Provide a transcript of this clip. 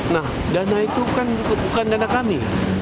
nah dana itu kan bukan dana kami